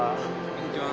こんにちは。